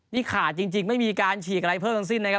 นี่ขาดจริงไม่มีการฉีกอะไรเพิ่มทั้งสิ้นนะครับ